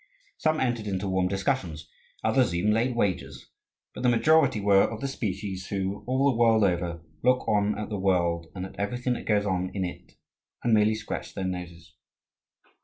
Some entered into warm discussions, others even laid wagers. But the majority were of the species who, all the world over, look on at the world and at everything that goes on in it and merely scratch their noses.